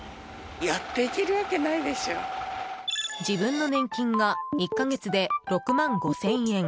自分の年金が１か月で６万５０００円。